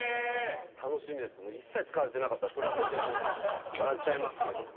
楽しみですけども一切使われてなかったらそれはそれで笑っちゃいますけど。